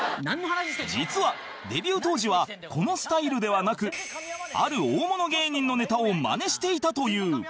実はデビュー当時はこのスタイルではなくある大物芸人のネタをマネしていたという